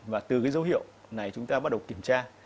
và từ cái dấu hiệu này chúng ta bắt đầu kiểm tra